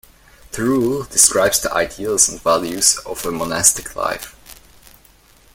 The Rule describes the ideals and values of a monastic life.